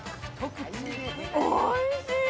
おいしい。